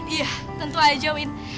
iya tentu aja win